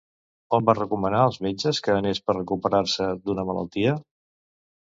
On van recomanar els metges que anés per recuperar-se d'una malaltia?